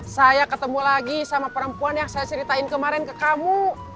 saya ketemu lagi sama perempuan yang saya ceritain kemarin ke kamu